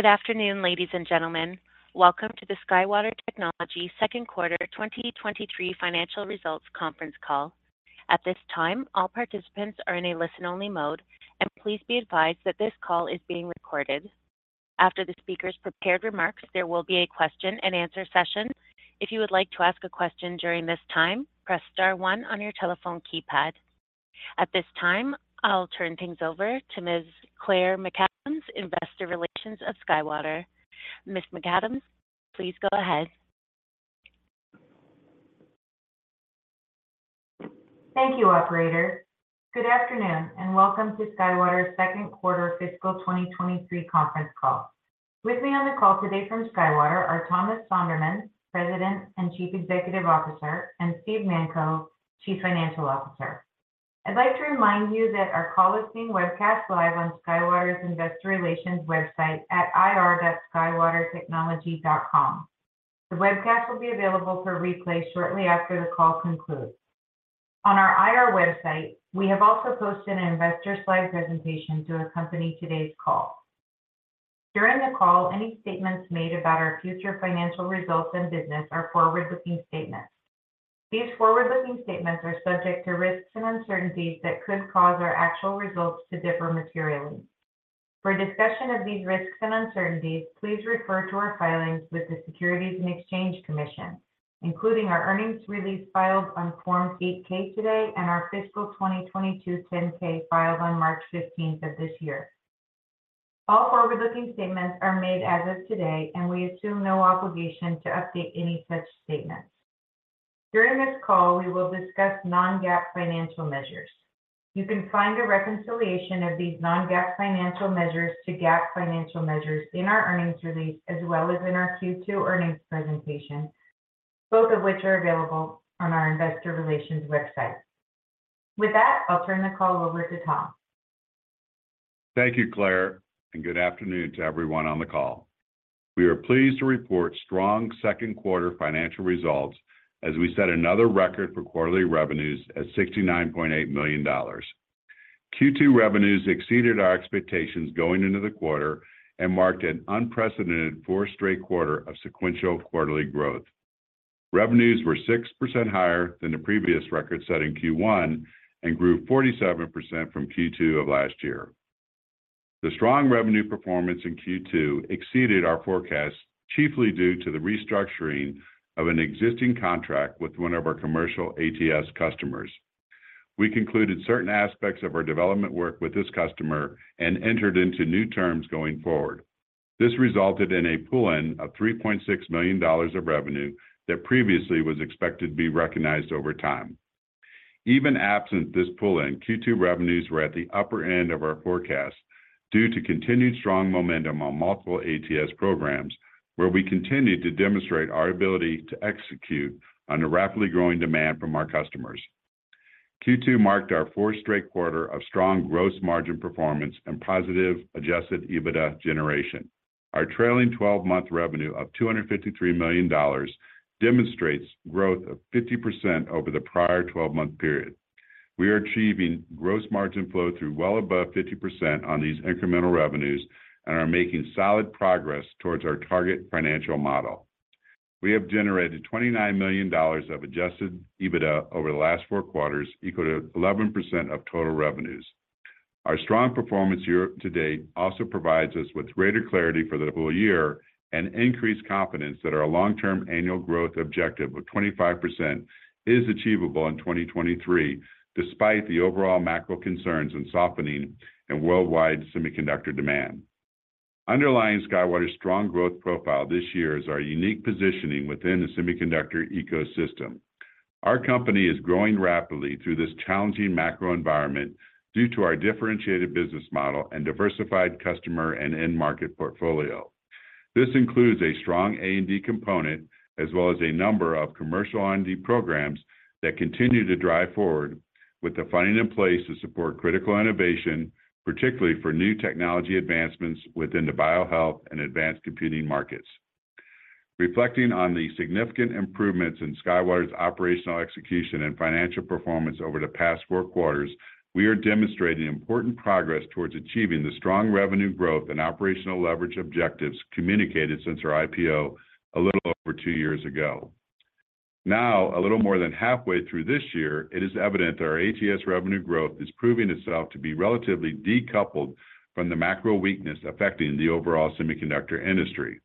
Good afternoon, ladies and gentlemen. Welcome to the SkyWater Technology second quarter 2023 financial results conference call. At this time, all participants are in a listen-only mode, and please be advised that this call is being recorded. After the speaker's prepared remarks, there will be a question and answer session. If you would like to ask a question during this time, press star one on your telephone keypad. At this time, I'll turn things over to Ms. Claire McAdams, Investor Relations of SkyWater. Ms. McAdams, please go ahead. Thank you, operator. Good afternoon, and welcome to SkyWater's second quarter fiscal 2023 conference call. With me on the call today from SkyWater are Thomas Sonderman, President and Chief Executive Officer, and Steve Manko, Chief Financial Officer. I'd like to remind you that our call is being webcast live on SkyWater's Investor Relations website at ir.skywatertechnology.com. The webcast will be available for replay shortly after the call concludes. On our IR website, we have also posted an investor slide presentation to accompany today's call. During the call, any statements made about our future financial results and business are forward-looking statements. These forward-looking statements are subject to risks and uncertainties that could cause our actual results to differ materially. For a discussion of these risks and uncertainties, please refer to our filings with the Securities and Exchange Commission, including our earnings release filed on Form 8-K today and our fiscal 2022 10-K, filed on March fifteenth of this year. All forward-looking statements are made as of today, and we assume no obligation to update any such statements. During this call, we will discuss Non-GAAP financial measures. You can find a reconciliation of these Non-GAAP financial measures to GAAP financial measures in our earnings release, as well as in our Q2 earnings presentation, both of which are available on our Investor Relations website. With that, I'll turn the call over to Tom. Thank you, Claire. Good afternoon to everyone on the call. We are pleased to report strong second quarter financial results as we set another record for quarterly revenues at $69.8 million. Q2 revenues exceeded our expectations going into the quarter and marked an unprecedented four straight quarter of sequential quarterly growth. Revenues were 6% higher than the previous record set in Q1 and grew 47% from Q2 of last year. The strong revenue performance in Q2 exceeded our forecast, chiefly due to the restructuring of an existing contract with one of our commercial ATS customers. We concluded certain aspects of our development work with this customer and entered into new terms going forward. This resulted in a pull-in of $3.6 million of revenue that previously was expected to be recognized over time. Even absent this pull-in, Q2 revenues were at the upper end of our forecast due to continued strong momentum on multiple ATS programs, where we continued to demonstrate our ability to execute on the rapidly growing demand from our customers. Q2 marked our fourth straight quarter of strong gross margin performance and positive adjusted EBITDA generation. Our trailing twelve-month revenue of $253 million demonstrates growth of 50% over the prior twelve-month period. We are achieving gross margin flow through well above 50% on these incremental revenues and are making solid progress towards our target financial model. We have generated $29 million of adjusted EBITDA over the last four quarters, equal to 11% of total revenues. Our strong performance year to date also provides us with greater clarity for the whole year and increased confidence that our long-term annual growth objective of 25% is achievable in 2023, despite the overall macro concerns and softening in worldwide semiconductor demand. Underlying SkyWater's strong growth profile this year is our unique positioning within the semiconductor ecosystem. Our company is growing rapidly through this challenging macro environment due to our differentiated business model and diversified customer and end-market portfolio. This includes a strong A&D component, as well as a number of commercial R&D programs that continue to drive forward with the funding in place to support critical innovation, particularly for new technology advancements within the biohealth and advanced computing markets. Reflecting on the significant improvements in SkyWater's operational execution and financial performance over the past four quarters, we are demonstrating important progress towards achieving the strong revenue growth and operational leverage objectives communicated since our IPO a little over two years ago. Now, a little more than halfway through this year, it is evident that our ATS revenue growth is proving itself to be relatively decoupled from the macro weakness affecting the overall semiconductor industry.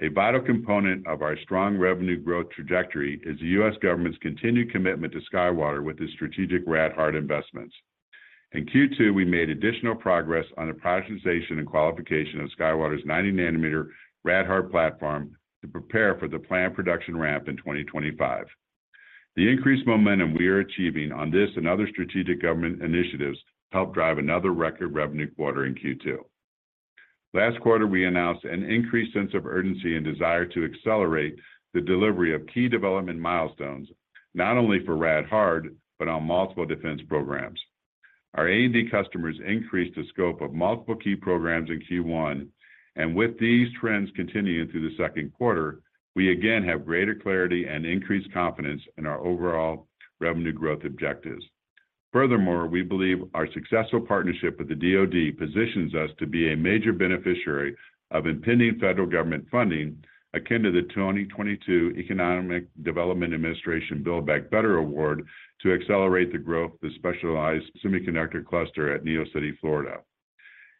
A vital component of our strong revenue growth trajectory is the U.S. government's continued commitment to SkyWater with the strategic rad-hard investments. In Q2, we made additional progress on the productization and qualification of SkyWater's 90-nanometer rad-hard platform to prepare for the planned production ramp in 2025. The increased momentum we are achieving on this and other strategic government initiatives helped drive another record revenue quarter in Q2. Last quarter, we announced an increased sense of urgency and desire to accelerate the delivery of key development milestones, not only for rad-hard, but on multiple defense programs. Our A&D customers increased the scope of multiple key programs in Q1, and with these trends continuing through the second quarter, we again have greater clarity and increased confidence in our overall revenue growth objectives. We believe our successful partnership with the DoD positions us to be a major beneficiary of impending federal government funding, akin to the 2022 Economic Development Administration Build Back Better award to accelerate the growth of the specialized semiconductor cluster at NeoCity, Florida.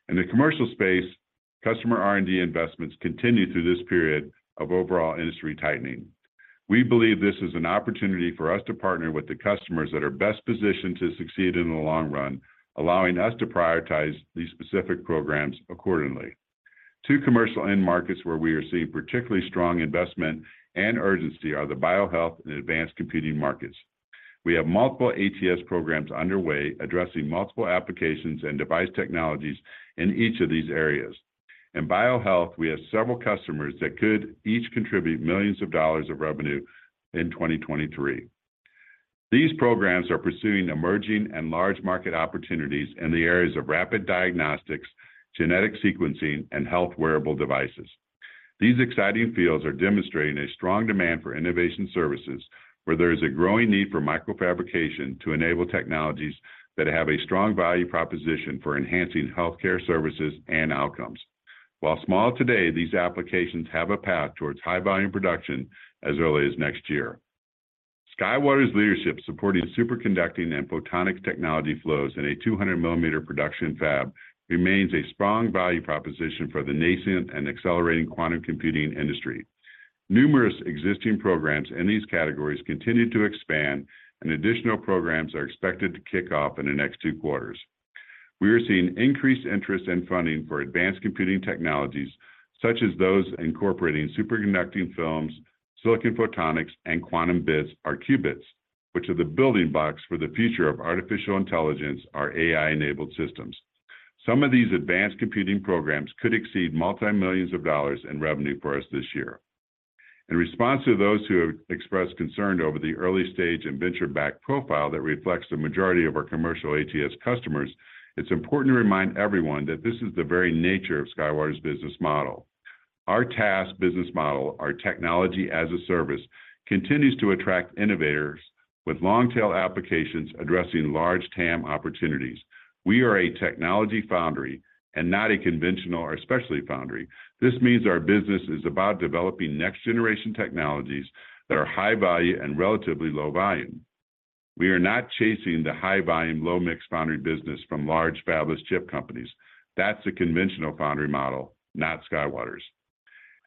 In the commercial space, customer R&D investments continue through this period of overall industry tightening. We believe this is an opportunity for us to partner with the customers that are best positioned to succeed in the long run, allowing us to prioritize these specific programs accordingly. Two commercial end markets where we are seeing particularly strong investment and urgency are the biohealth and advanced computing markets. We have multiple ATS programs underway, addressing multiple applications and device technologies in each of these areas. In biohealth, we have several customers that could each contribute millions of dollars of revenue in 2023. These programs are pursuing emerging and large market opportunities in the areas of rapid diagnostics, genetic sequencing, and health wearable devices. These exciting fields are demonstrating a strong demand for innovation services, where there is a growing need for microfabrication to enable technologies that have a strong value proposition for enhancing healthcare services and outcomes. While small today, these applications have a path towards high-volume production as early as next year. SkyWater's leadership supporting superconducting and photonic technology flows in a 200mm production fab remains a strong value proposition for the nascent and accelerating quantum computing industry. Numerous existing programs in these categories continue to expand, and additional programs are expected to kick off in the next 2 quarters. We are seeing increased interest in funding for advanced computing technologies, such as those incorporating superconducting films, silicon photonics, and quantum bits or qubits, which are the building blocks for the future of artificial intelligence or AI-enabled systems. Some of these advanced computing programs could exceed multi-millions of dollars in revenue for us this year. In response to those who have expressed concern over the early stage and venture-backed profile that reflects the majority of our commercial ATS customers, it's important to remind everyone that this is the very nature of SkyWater's business model. Our TaaS business model, our Technology as a Service, continues to attract innovators with long-tail applications addressing large TAM opportunities. We are a technology foundry and not a conventional or specialty foundry. This means our business is about developing next-generation technologies that are high value and relatively low volume. We are not chasing the high-volume, low-mix foundry business from large fabless chip companies. That's the conventional foundry model, not SkyWater's.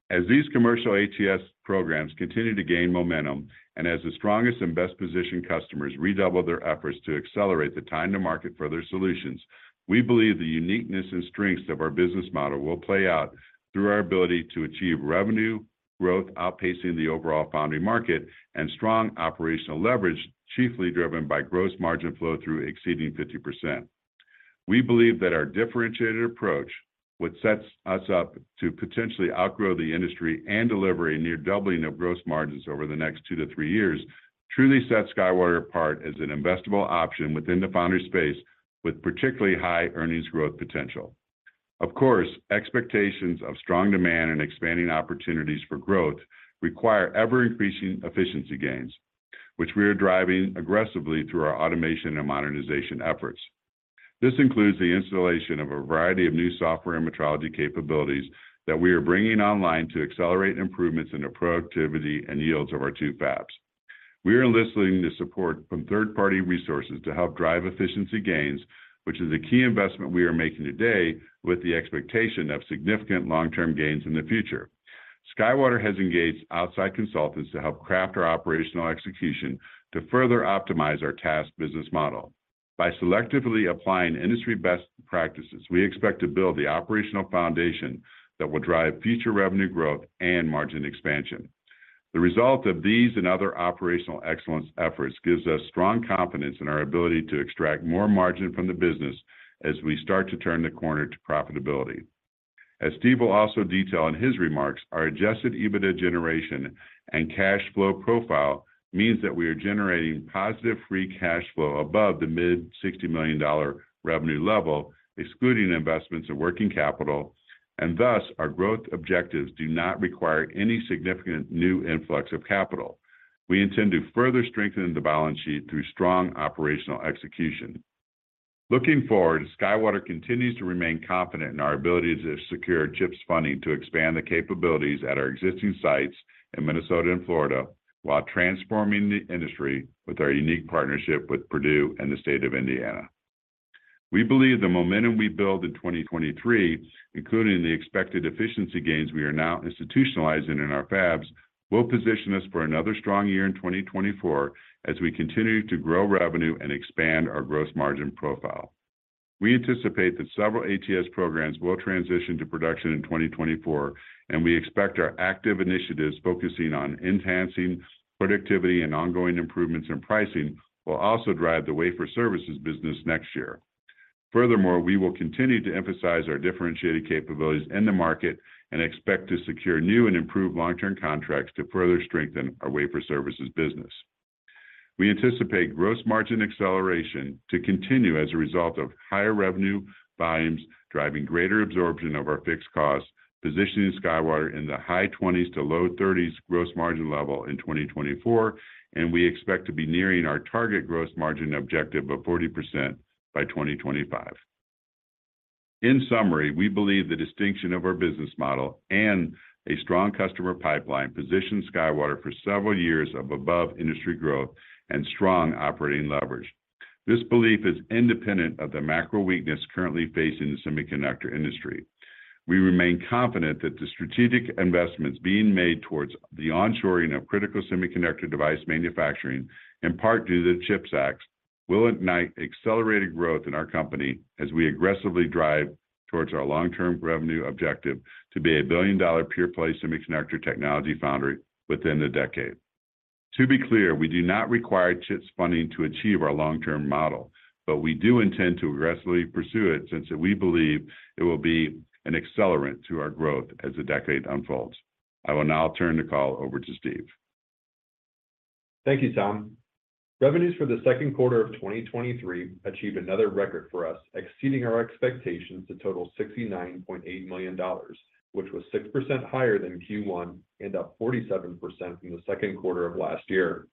As these commercial ATS programs continue to gain momentum, as the strongest and best-positioned customers redouble their efforts to accelerate the time to market for their solutions, we believe the uniqueness and strengths of our business model will play out through our ability to achieve revenue growth outpacing the overall foundry market and strong operational leverage, chiefly driven by gross margin flow-through exceeding 50%. We believe that our differentiated approach, what sets us up to potentially outgrow the industry and deliver a near doubling of gross margins over the next two to three years, truly sets SkyWater apart as an investable option within the foundry space, with particularly high earnings growth potential. Of course, expectations of strong demand and expanding opportunities for growth require ever-increasing efficiency gains, which we are driving aggressively through our automation and modernization efforts. This includes the installation of a variety of new software and metrology capabilities that we are bringing online to accelerate improvements in the productivity and yields of our two fabs. We are enlisting the support from third-party resources to help drive efficiency gains, which is a key investment we are making today with the expectation of significant long-term gains in the future. SkyWater has engaged outside consultants to help craft our operational execution to further optimize our TaaS business model. By selectively applying industry best practices, we expect to build the operational foundation that will drive future revenue growth and margin expansion. The result of these and other operational excellence efforts gives us strong confidence in our ability to extract more margin from the business as we start to turn the corner to profitability. As Steve will also detail in his remarks, our adjusted EBITDA generation and cash flow profile means that we are generating positive free cash flow above the mid $60 million revenue level, excluding investments in working capital, and thus, our growth objectives do not require any significant new influx of capital. We intend to further strengthen the balance sheet through strong operational execution. Looking forward, SkyWater continues to remain confident in our ability to secure CHIPS funding to expand the capabilities at our existing sites in Minnesota and Florida, while transforming the industry with our unique partnership with Purdue and the state of Indiana. We believe the momentum we build in 2023, including the expected efficiency gains we are now institutionalizing in our fabs, will position us for another strong year in 2024 as we continue to grow revenue and expand our gross margin profile. We anticipate that several ATS programs will transition to production in 2024, we expect our active initiatives focusing on enhancing productivity and ongoing improvements in pricing will also drive the wafer services business next year. We will continue to emphasize our differentiated capabilities in the market and expect to secure new and improved long-term contracts to further strengthen our wafer services business. We anticipate gross margin acceleration to continue as a result of higher revenue volumes, driving greater absorption of our fixed costs, positioning SkyWater in the high 20s to low 30s gross margin level in 2024, we expect to be nearing our target gross margin objective of 40% by 2025. In summary, we believe the distinction of our business model and a strong customer pipeline positions SkyWater for several years of above-industry growth and strong operating leverage. This belief is independent of the macro weakness currently facing the semiconductor industry. We remain confident that the strategic investments being made towards the onshoring of critical semiconductor device manufacturing, in part due to the CHIPS Act, will ignite accelerated growth in our company as we aggressively drive towards our long-term revenue objective to be a billion-dollar pure-play semiconductor technology foundry within the decade. To be clear, we do not require CHIPS funding to achieve our long-term model, but we do intend to aggressively pursue it since we believe it will be an accelerant to our growth as the decade unfolds. I will now turn the call over to Steve. Thank you, Tom. Revenues for the second quarter of 2023 achieved another record for us, exceeding our expectations to total $69.8 million, which was 6% higher than Q1 and up 47% from the second quarter of last year.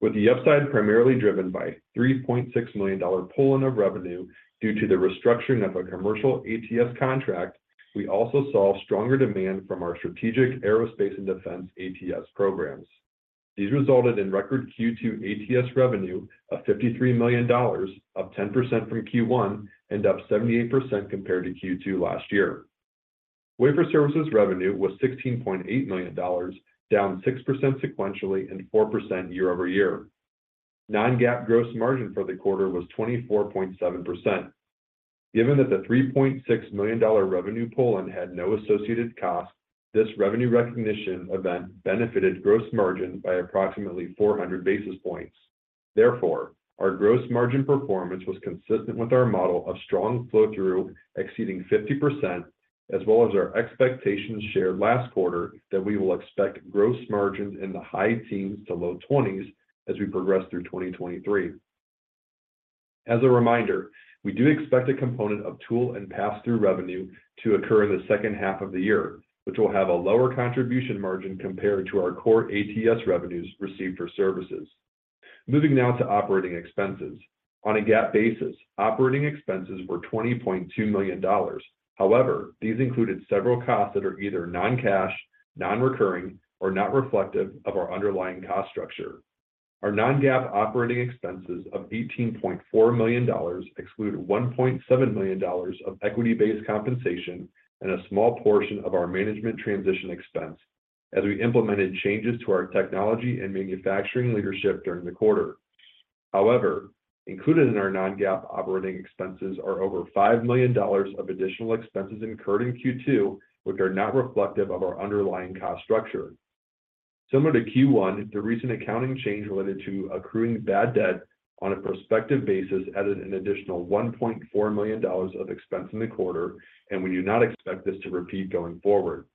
With the upside primarily driven by $3.6 million pull-in of revenue due to the restructuring of a commercial ATS contract, we also saw stronger demand from our strategic aerospace and defense ATS programs. These resulted in record Q2 ATS revenue of $53 million, up 10% from Q1 and up 78% compared to Q2 last year. Wafer services revenue was $16.8 million, down 6% sequentially and 4% year-over-year. Non-GAAP gross margin for the quarter was 24.7%. Given that the $3.6 million revenue pull-in had no associated cost, this revenue recognition event benefited gross margin by approximately 400 basis points. Therefore, our gross margin performance was consistent with our model of strong flow-through, exceeding 50%, as well as our expectations shared last quarter, that we will expect gross margins in the high teens to low twenties as we progress through 2023. As a reminder, we do expect a component of tool and passthrough revenue to occur in the second half of the year, which will have a lower contribution margin compared to our core ATS revenues received for services. Moving now to operating expenses. On a GAAP basis, operating expenses were $20.2 million. However, these included several costs that are either non-cash, non-recurring, or not reflective of our underlying cost structure. Our Non-GAAP operating expenses of $18.4 million exclude $1.7 million of equity-based compensation and a small portion of our management transition expense as we implemented changes to our technology and manufacturing leadership during the quarter. However, included in our Non-GAAP operating expenses are over $5 million of additional expenses incurred in Q2, which are not reflective of our underlying cost structure. Similar to Q1, the recent accounting change related to accruing bad debt on a prospective basis added an additional $1.4 million of expense in the quarter, and we do not expect this to repeat going forward.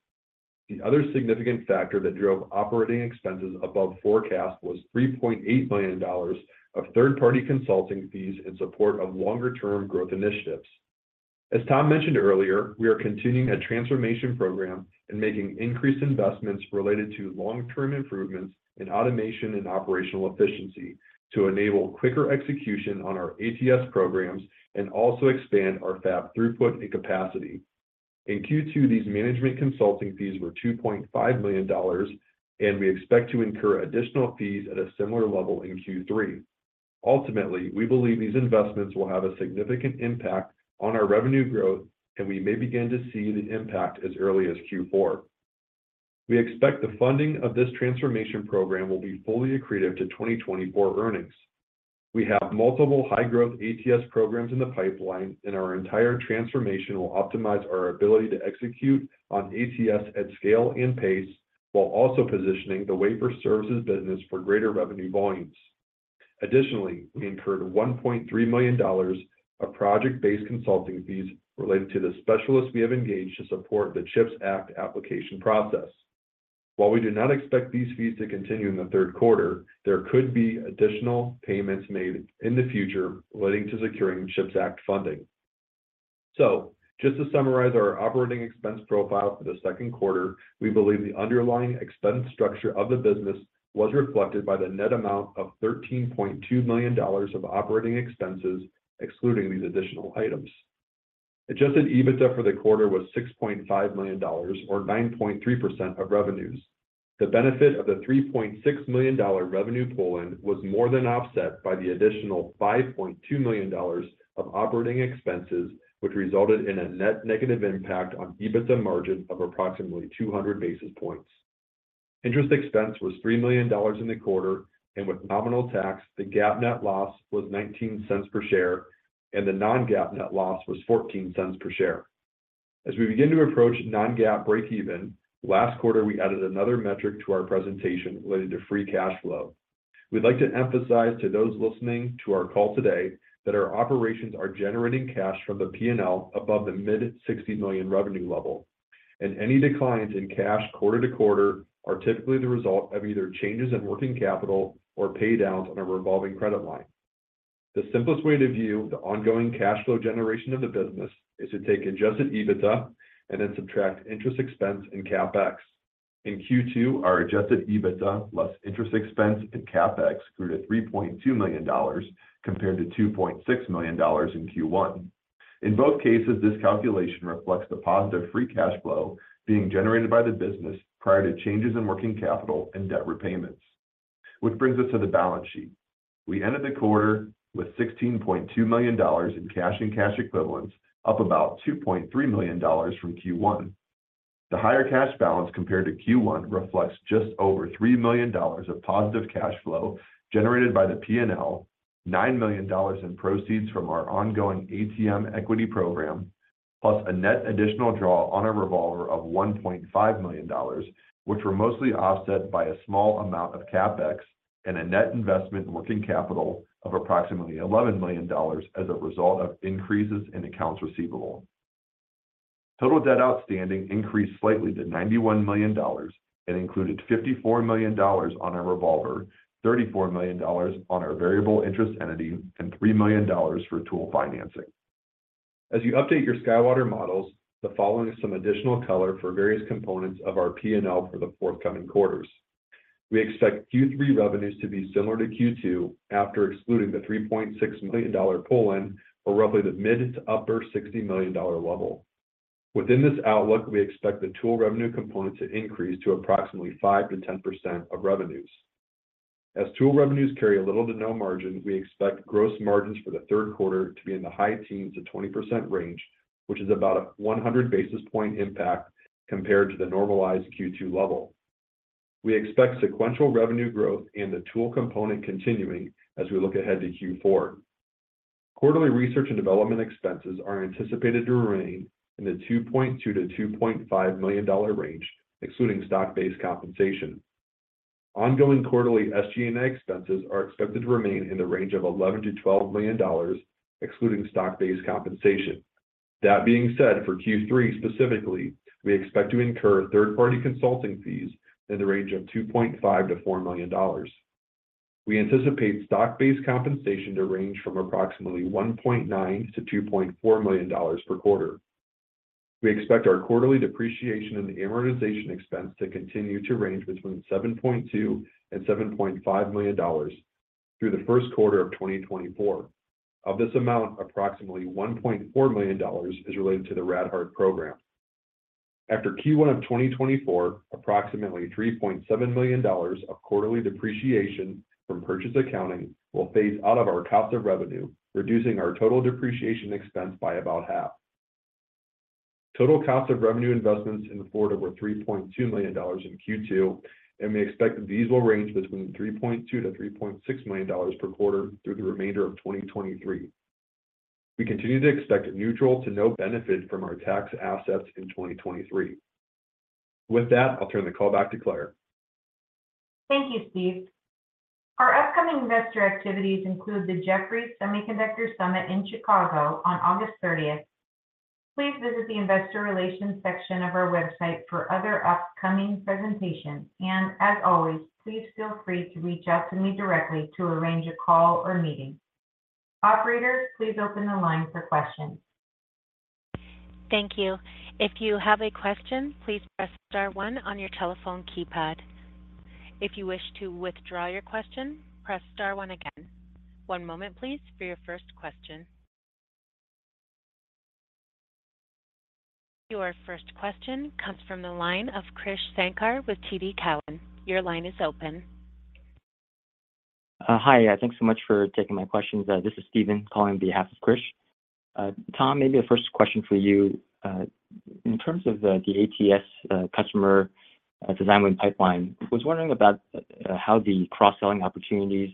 The other significant factor that drove operating expenses above forecast was $3.8 million of third-party consulting fees in support of longer-term growth initiatives. As Tom mentioned earlier, we are continuing a transformation program and making increased investments related to long-term improvements in automation and operational efficiency to enable quicker execution on our ATS programs and also expand our fab throughput and capacity. In Q2, these management consulting fees were $2.5 million, and we expect to incur additional fees at a similar level in Q3. Ultimately, we believe these investments will have a significant impact on our revenue growth, and we may begin to see the impact as early as Q4. We expect the funding of this transformation program will be fully accretive to 2024 earnings. We have multiple high-growth ATS programs in the pipeline, and our entire transformation will optimize our ability to execute on ATS at scale and pace, while also positioning the wafer services business for greater revenue volumes. Additionally, we incurred $1.3 million of project-based consulting fees related to the specialists we have engaged to support the CHIPS Act application process. While we do not expect these fees to continue in the third quarter, there could be additional payments made in the future relating to securing CHIPS Act funding. Just to summarize our operating expense profile for the second quarter, we believe the underlying expense structure of the business was reflected by the net amount of $13.2 million of operating expenses, excluding these additional items. adjusted EBITDA for the quarter was $6.5 million, or 9.3% of revenues. The benefit of the $3.6 million revenue pull-in was more than offset by the additional $5.2 million of operating expenses, which resulted in a net negative impact on EBITDA margin of approximately 200 basis points. Interest expense was $3 million in the quarter, and with nominal tax, the GAAP net loss was $0.19 per share, and the Non-GAAP net loss was $0.14 per share. As we begin to approach Non-GAAP breakeven, last quarter, we added another metric to our presentation related to free cash flow. We'd like to emphasize to those listening to our call today that our operations are generating cash from the P&L above the mid-$60 million revenue level, and any declines in cash quarter to quarter are typically the result of either changes in working capital or pay downs on a revolving credit line. The simplest way to view the ongoing cash flow generation of the business is to take adjusted EBITDA and then subtract interest expense and CapEx. In Q2, our adjusted EBITDA less interest expense and CapEx grew to $3.2 million compared to $2.6 million in Q1. In both cases, this calculation reflects the positive free cash flow being generated by the business prior to changes in working capital and debt repayments. Which brings us to the balance sheet. We ended the quarter with $16.2 million in cash and cash equivalents, up about $2.3 million from Q1. The higher cash balance compared to Q1 reflects just over $3 million of positive cash flow generated by the P&L, $9 million in proceeds from our ongoing ATM equity program, plus a net additional draw on a revolver of $1.5 million, which were mostly offset by a small amount of CapEx and a net investment in working capital of approximately $11 million as a result of increases in accounts receivable. Total debt outstanding increased slightly to $91 million and included $54 million on our revolver, $34 million on our variable interest entity, and $3 million for tool financing. As you update your SkyWater models, the following is some additional color for various components of our P&L for the forthcoming quarters. We expect Q3 revenues to be similar to Q2 after excluding the $3.6 million pull-in, or roughly the mid to upper $60 million level. Within this outlook, we expect the tool revenue component to increase to approximately 5%-10% of revenues. As tool revenues carry a little to no margin, we expect gross margins for the third quarter to be in the high teens to 20% range, which is about a 100 basis point impact compared to the normalized Q2 level. We expect sequential revenue growth and the tool component continuing as we look ahead to Q4. Quarterly research and development expenses are anticipated to remain in the $2.2 million-$2.5 million range, excluding stock-based compensation. Ongoing quarterly SG&A expenses are expected to remain in the range of $11 million-$12 million, excluding stock-based compensation. That being said, for Q3 specifically, we expect to incur third-party consulting fees in the range of $2.5 million-$4 million. We anticipate stock-based compensation to range from approximately $1.9 million-$2.4 million per quarter. We expect our quarterly depreciation and the amortization expense to continue to range between $7.2 million and $7.5 million through the first quarter of 2024. Of this amount, approximately $1.4 million is related to the rad-hard program. After Q1 of 2024, approximately $3.7 million of quarterly depreciation from purchase accounting will phase out of our cost of revenue, reducing our total depreciation expense by about half. Total cost of revenue investments in Florida were $3.2 million in Q2, we expect these will range between $3.2 million-$3.6 million per quarter through the remainder of 2023. We continue to expect neutral to no benefit from our tax assets in 2023. With that, I'll turn the call back to Claire. Thank you, Steve. Our upcoming investor activities include the Jefferies Semiconductor Summit in Chicago on August 30th. Please visit the investor relations section of our website for other upcoming presentations, and as always, please feel free to reach out to me directly to arrange a call or meeting. Operator, please open the line for questions. Thank you. If you have a question, please press star one on your telephone keypad. If you wish to withdraw your question, press star one again. One moment, please, for your first question. Your first question comes from the line of Krish Sankar with TD Cowen. Your line is open. Hi, thanks so much for taking my questions. This is Steven calling on behalf of Krish. Tom, maybe the first question for you. In terms of the ATS customer design win pipeline, I was wondering about how the cross-selling opportunities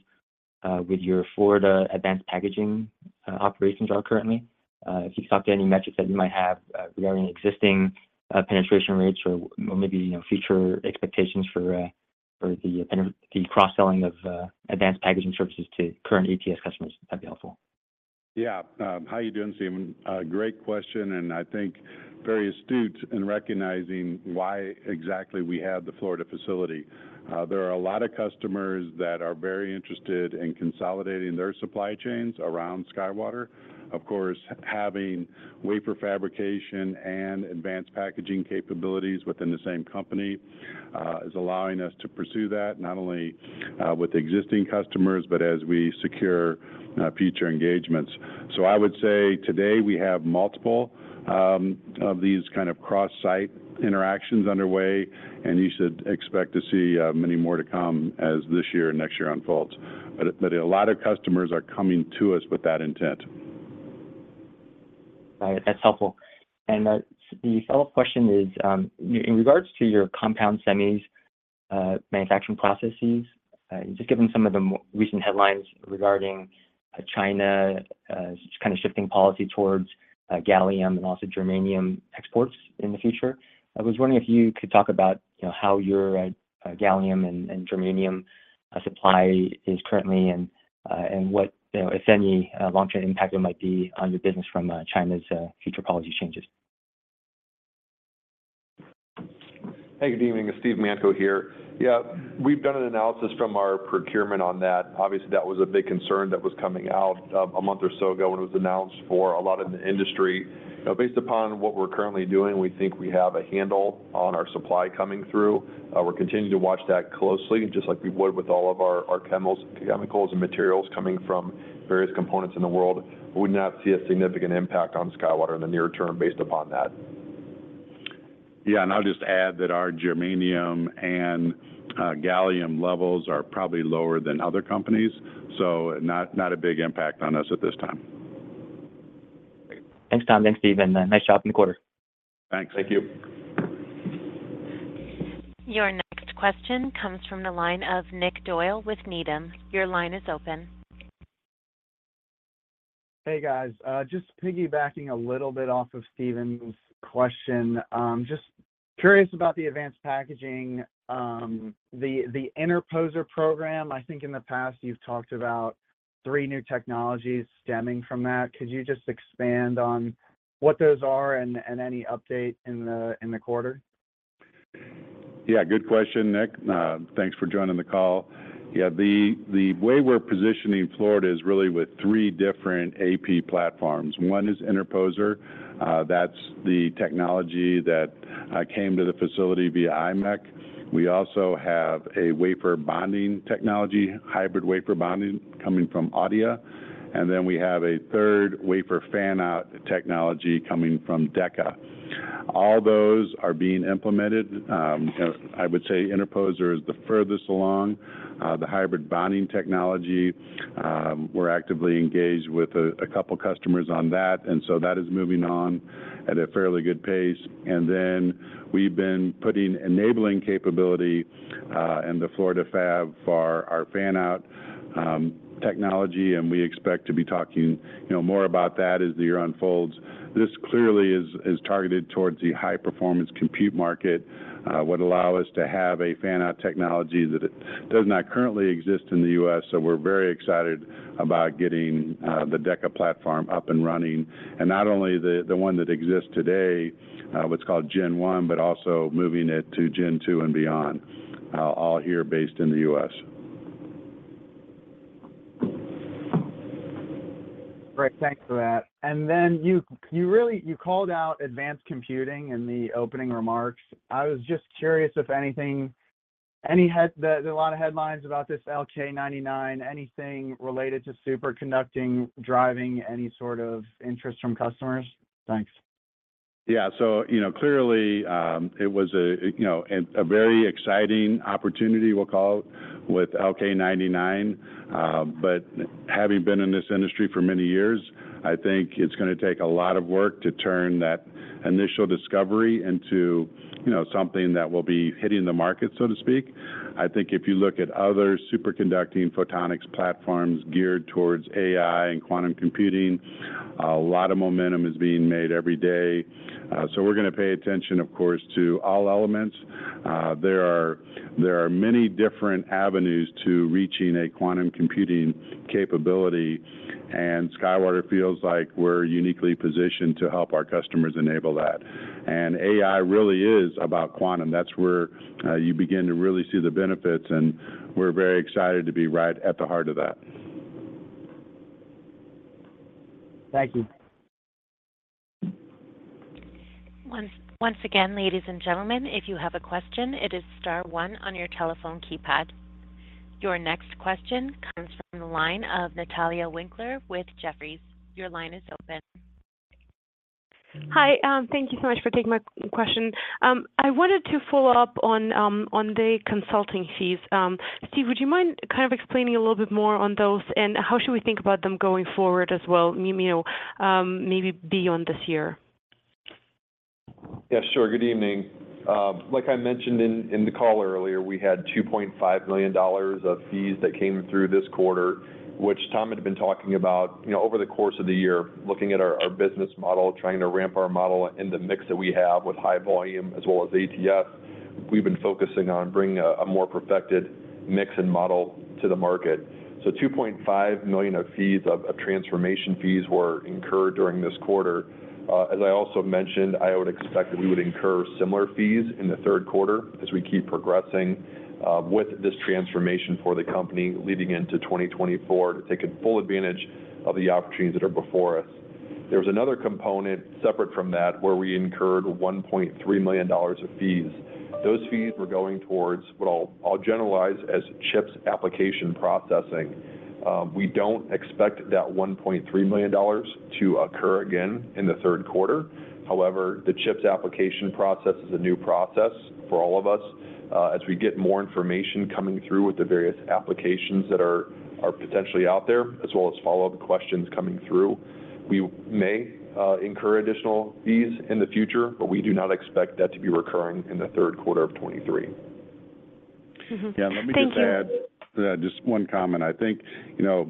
with your Florida advanced packaging operations are currently. If you talk to any metrics that you might have regarding existing penetration rates or maybe, you know, future expectations for the cross-selling of advanced packaging services to current ATS customers, that'd be helpful. Yeah. How are you doing, Steven? Great question, and I think very astute in recognizing why exactly we have the Florida facility. There are a lot of customers that are very interested in consolidating their supply chains around SkyWater. Of course, having wafer fabrication and advanced packaging capabilities within the same company, is allowing us to pursue that, not only with existing customers, but as we secure future engagements. I would say today we have multiple of these kind of cross-site interactions underway, and you should expect to see many more to come as this year and next year unfolds. But a lot of customers are coming to us with that intent. All right. That's helpful. The follow-up question is, in regards to your compound semis manufacturing processes, just given some of the recent headlines regarding China kind of shifting policy towards gallium and also germanium exports in the future, I was wondering if you could talk about, you know, how your gallium and germanium supply is currently and what, you know, if any, long-term impact it might be on the business from China's future policy changes? Hey, good evening. It's Steve Manko here. Yeah, we've done an analysis from our procurement on that. Obviously, that was a big concern that was coming out, a month or so ago when it was announced for a lot of the industry. Based upon what we're currently doing, we think we have a handle on our supply coming through. We're continuing to watch that closely, just like we would with all of our, our chemicals, chemicals, and materials coming from various components in the world. We do not see a significant impact on SkyWater in the near term based upon that. Yeah, and I'll just add that our germanium and gallium levels are probably lower than other companies, so not, not a big impact on us at this time. Thanks, Tom. Thanks, Steve, and nice job in the quarter. Thanks. Thank you. Your next question comes from the line of Nick Doyle with Needham. Your line is open. Hey, guys. Just piggybacking a little bit off of Steven's question. Just curious about the Advanced Packaging, the Interposer program. I think in the past, you've talked about three new technologies stemming from that. Could you just expand on what those are and any update in the quarter? Yeah, good question, Nick. Thanks for joining the call. Yeah, the way we're positioning Florida is really with three different AP platforms. One is interposer, that's the technology that came to the facility via imec. We also have a wafer bonding technology, hybrid wafer bonding, coming from Adeia. We have a third wafer fan-out technology coming from Deca. All those are being implemented. I would say interposer is the furthest along. The hybrid bonding technology, we're actively engaged with a couple customers on that, that is moving on at a fairly good pace. We've been putting enabling capability in the Florida fab for our fan-out technology, and we expect to be talking, you know, more about that as the year unfolds. This clearly is, is targeted towards the high-performance compute market, would allow us to have a fan-out technology that does not currently exist in the U.S. We're very excited about getting, the Deca platform up and running, and not only the, the one that exists today, what's called Gen One, but also moving it to Gen Two and beyond, all here based in the U.S. Great. Thanks for that. Then you, you really called out advanced computing in the opening remarks. I was just curious if anything, any headlines about this LK-99, anything related to superconducting, driving any sort of interest from customers? Thanks. Yeah. You know, clearly, it was a, you know, and a very exciting opportunity, we'll call it, with LK-99. Having been in this industry for many years, I think it's going to take a lot of work to turn that initial discovery into, you know, something that will be hitting the market, so to speak. I think if you look at other superconducting photonics platforms geared towards AI and quantum computing, a lot of momentum is being made every day. We're going to pay attention, of course, to all elements. There are many different avenues to reaching a quantum computing capability, and SkyWater feels like we're uniquely positioned to help our customers enable that. AI really is about quantum. That's where, you begin to really see the benefits, and we're very excited to be right at the heart of that. Thank you. Once, once again, ladies and gentlemen, if you have a question, it is star one on your telephone keypad. Your next question comes from the line of Natalia Winkler with Jefferies. Your line is open. Hi. Thank you so much for taking my question. I wanted to follow up on the consulting fees. Steve, would you mind kind of explaining a little bit more on those, and how should we think about them going forward as well, you know, maybe beyond this year? Yeah, sure. Good evening. Like I mentioned in the call earlier, we had $2.5 million of fees that came through this quarter, which Tom had been talking about. You know, over the course of the year, looking at our business model, trying to ramp our model in the mix that we have with high volume as well as ATS, we've been focusing on bringing a more perfected mix and model to the market. $2.5 million of fees, of transformation fees were incurred during this quarter. As I also mentioned, I would expect that we would incur similar fees in the third quarter as we keep progressing with this transformation for the company leading into 2024, to taking full advantage of the opportunities that are before us. There was another component separate from that, where we incurred $1.3 million of fees. Those fees were going towards what I'll generalize as CHIPS application processing. We don't expect that $1.3 million to occur again in the third quarter. The CHIPS application process is a new process for all of us. As we get more information coming through with the various applications that are, are potentially out there, as well as follow-up questions coming through, we may incur additional fees in the future, but we do not expect that to be recurring in the third quarter of 2023. Mm-hmm. Thank you. Yeah, let me just add, just one comment. I think, you know,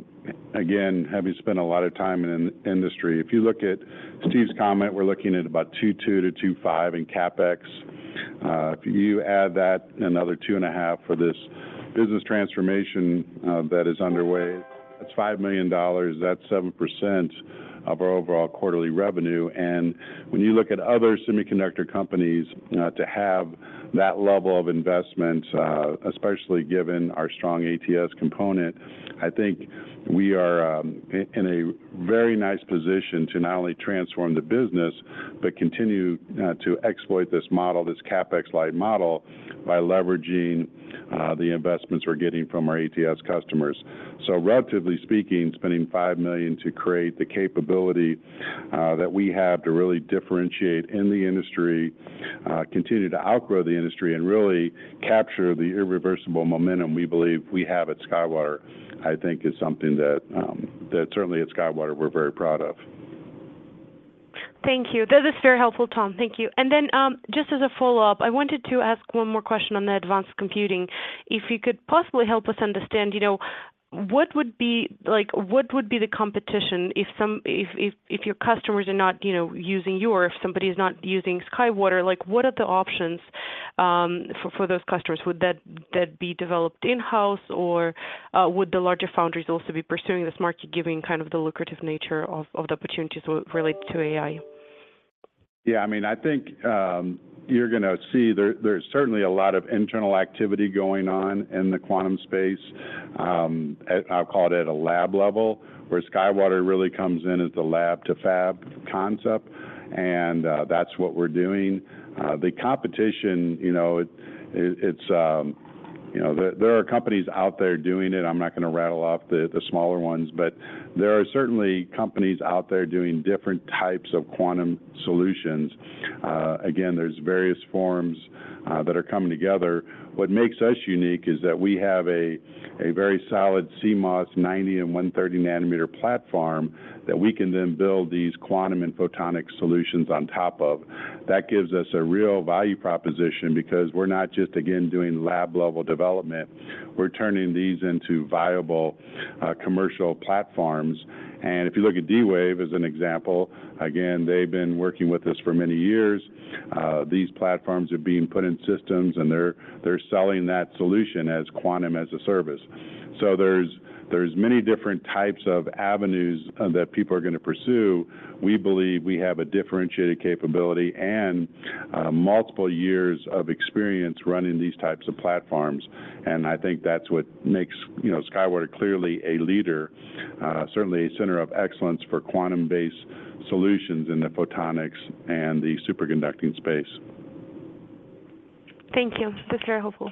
again, having spent a lot of time in industry, if you look at Steve's comment, we're looking at about $2.2-$2.5 in CapEx. If you add that, another $2.5 for this business transformation, that is underway, that's $5 million, that's 7% of our overall quarterly revenue. When you look at other semiconductor companies, to have that level of investment, especially given our strong ATS component, I think we are in a very nice position to not only transform the business, but continue to exploit this model, this CapEx-like model, by leveraging the investments we're getting from our ATS customers. Relatively speaking, spending $5 million to create the capability that we have to really differentiate in the industry, continue to outgrow the industry and really capture the irreversible momentum we believe we have at SkyWater, I think is something that, that certainly at SkyWater, we're very proud of. Thank you. That is very helpful, Tom. Thank you. Then, just as a follow-up, I wanted to ask one more question on the advanced computing. If you could possibly help us understand, you know, what would be the competition if your customers are not, you know, using you or if somebody is not using SkyWater, like, what are the options for those customers? Would that be developed in-house, or would the larger foundries also be pursuing this market, giving kind of the lucrative nature of the opportunities related to AI? Yeah, I mean, I think, you're gonna see there, there's certainly a lot of internal activity going on in the quantum space, I'll call it at a lab level, where SkyWater really comes in as the lab-to-fab concept, and that's what we're doing. The competition, you know, it's, you know, there, there are companies out there doing it. I'm not gonna rattle off the, the smaller ones, but there are certainly companies out there doing different types of quantum solutions. Again, there's various forms, that are coming together. What makes us unique is that we have a very solid CMOS 90 and 130 nanometer platform, that we can then build these quantum and photonic solutions on top of. That gives us a real value proposition because we're not just, again, doing lab-level development, we're turning these into viable, commercial platforms. If you look at D-Wave as an example, again, they've been working with us for many years. These platforms are being put in systems, and they're selling that solution as quantum as a service. There's, there's many different types of avenues that people are gonna pursue. We believe we have a differentiated capability and multiple years of experience running these types of platforms, and I think that's what makes, you know, SkyWater clearly a leader, certainly a center of excellence for quantum-based solutions in the photonics and the superconducting space. Thank you. That's very helpful.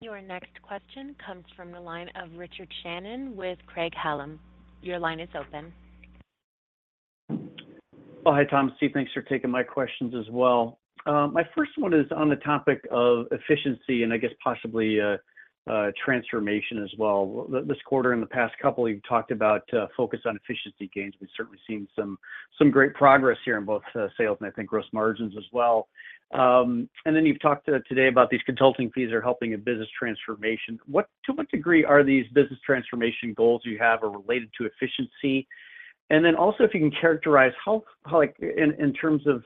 Your next question comes from the line of Richard Shannon with Craig-Hallum. Your line is open. Oh, hi, Tom, Steve, thanks for taking my questions as well. My 1st one is on the topic of efficiency and I guess possibly transformation as well. Well, this quarter and the past couple, you've talked about focus on efficiency gains. We've certainly seen some, some great progress here in both sales and I think gross margins as well. Then you've talked today about these consulting fees are helping a business transformation. What to what degree are these business transformation goals you have are related to efficiency? Also, if you can characterize how, like, in terms of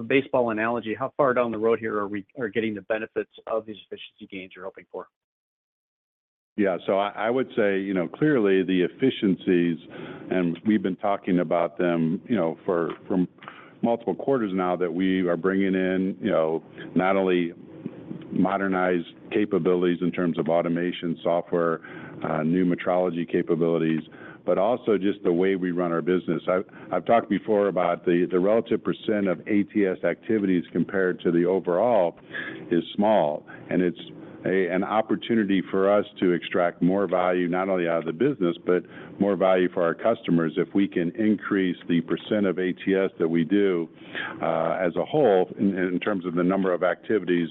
a baseball analogy, how far down the road here are we getting the benefits of these efficiency gains you're hoping for? Yeah. I would say, you know, clearly, the efficiencies, and we've been talking about them, you know, from multiple quarters now, that we are bringing in, you know, not only modernized capabilities in terms of automation, software, new metrology capabilities, but also just the way we run our business. I've talked before about the, the relative percent of ATS activities compared to the overall is small, and it's an opportunity for us to extract more value, not only out of the business, but more value for our customers, if we can increase the percent of ATS that we do, as a whole in terms of the number of activities,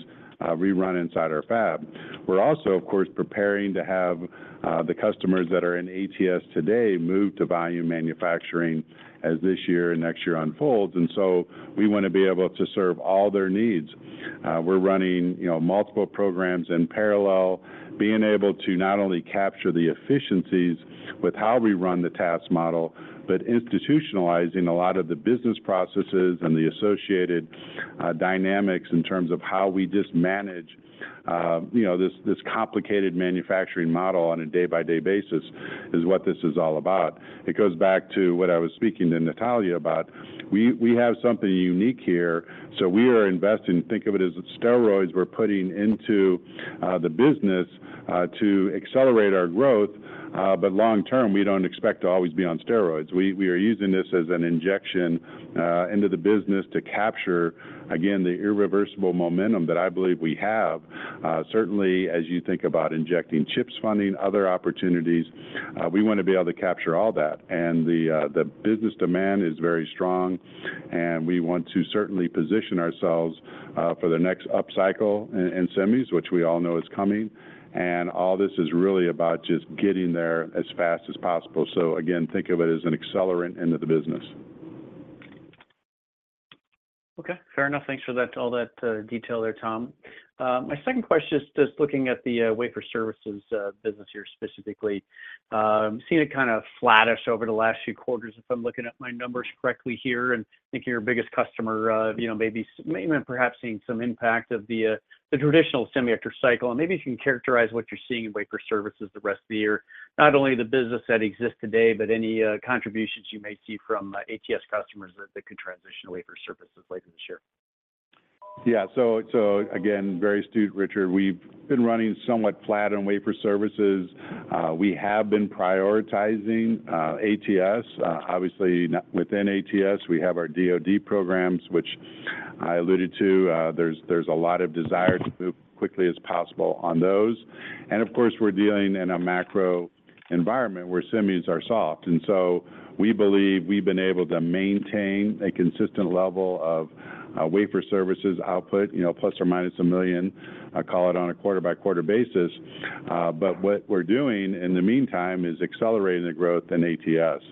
we run inside our fab. We're also, of course, preparing to have the customers that are in ATS today move to volume manufacturing as this year and next year unfolds, and so we want to be able to serve all their needs. We're running, you know, multiple programs in parallel, being able to not only capture the efficiencies with how we run the task model, but institutionalizing a lot of the business processes and the associated dynamics in terms of how we just manage, you know, this, this complicated manufacturing model on a day-by-day basis, is what this is all about. It goes back to what I was speaking to Natalia about. We, we have something unique here, so we are investing. Think of it as steroids we're putting into the business to accelerate our growth, but long term, we don't expect to always be on steroids. We, we are using this as an injection into the business to capture, again, the irreversible momentum that I believe we have. Certainly, as you think about injecting chips, funding, other opportunities, we want to be able to capture all that. The business demand is very strong, and we want to certainly position ourselves for the next upcycle in semis, which we all know is coming. All this is really about just getting there as fast as possible. Again, think of it as an accelerant into the business. Okay, fair enough. Thanks for that, all that detail there, Tom. My second question is just looking at the wafer services business here specifically. Seeing it kind of flattish over the last few quarters, if I'm looking at my numbers correctly here, and I think your biggest customer, you know, maybe, maybe perhaps seeing some impact of the traditional semiconductor cycle. Maybe you can characterize what you're seeing in wafer services the rest of the year, not only the business that exists today, but any contributions you may see from ATS customers that, that could transition to wafer services later this year? Yeah. So again, very astute, Richard. We've been running somewhat flat on wafer services. We have been prioritizing ATS. Obviously, within ATS, we have our DoD programs, which I alluded to. There's a lot of desire to move quickly as possible on those. Of course, we're dealing in a macro environment where semis are soft. We believe we've been able to maintain a consistent level of wafer services output, you know, ± $1 million, call it on a quarter-by-quarter basis. What we're doing in the meantime is accelerating the growth in ATS.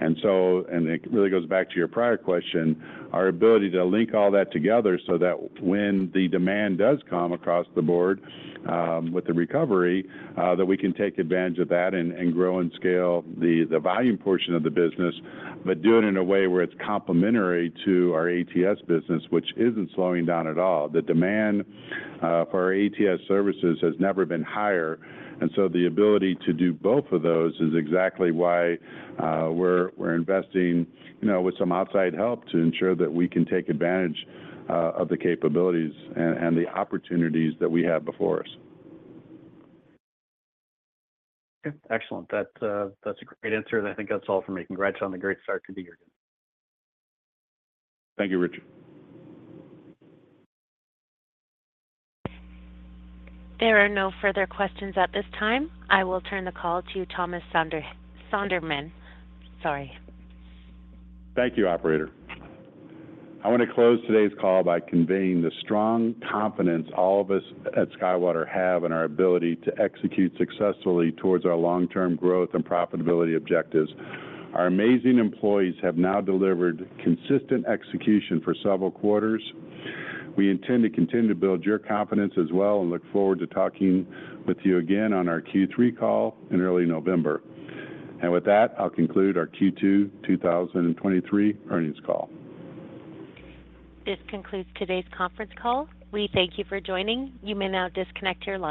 It really goes back to your prior question, our ability to link all that together so that when the demand does come across the board, with the recovery, that we can take advantage of that and, and grow and scale the, the volume portion of the business, but do it in a way where it's complementary to our ATS business, which isn't slowing down at all. The demand for our ATS services has never been higher. The ability to do both of those is exactly why, we're, we're investing with some outside help to ensure that we can take advantage of the capabilities and, and the opportunities that we have before us. Okay, excellent. That's a great answer, and I think that's all for me. Congrats on the great start to the year. Thank you, Richard. There are no further questions at this time. I will turn the call to Thomas Sonderman. Sorry. Thank you, operator. I want to close today's call by conveying the strong confidence all of us at SkyWater have in our ability to execute successfully towards our long-term growth and profitability objectives. Our amazing employees have now delivered consistent execution for several quarters. We intend to continue to build your confidence as well and look forward to talking with you again on our Q3 call in early November. With that, I'll conclude our Q2 2023 earnings call. This concludes today's conference call. We thank you for joining. You may now disconnect your line.